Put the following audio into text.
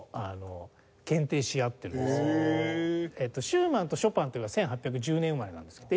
シューマンとショパンっていうのが１８１０年生まれなんですよ。